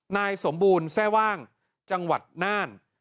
นายสมบูรณ์แทร่ว่างจังหวัดน่าน